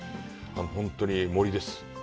本当に森です。